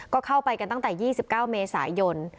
ก็เข้าไปกันตั้งแต่๒๙เมษายน